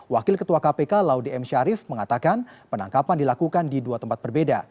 wakil ketua kpk laude m syarif mengatakan penangkapan dilakukan di dua tempat berbeda